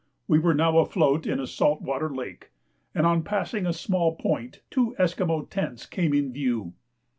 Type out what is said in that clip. We were now afloat in a salt water lake, and on passing a small point two Esquimaux tents came in view.